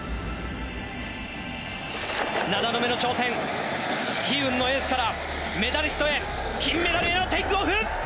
７度目の挑戦悲運のエースからメダリストへ金メダルへのテイクオフ！